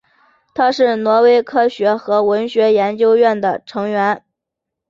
他是挪威科学和文学研究院的成员。